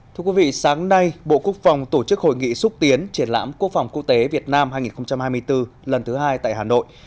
thưa quý vị sáng nay bộ quốc phòng tổ chức hội nghị xúc tiến triển lãm quốc phòng quốc tế việt nam hai nghìn hai mươi bốn lần thứ hai tại hà nội